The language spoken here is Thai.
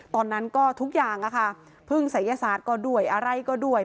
ตอนนั้นก็ทุกอย่างค่ะพึ่งศัยศาสตร์ก็ด้วยอะไรก็ด้วย